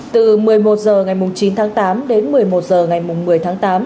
từ một mươi một h ngày chín tháng tám đến một mươi một h ngày một mươi tháng tám